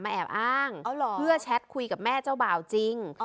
แอบอ้างเพื่อแชทคุยกับแม่เจ้าบ่าวจริง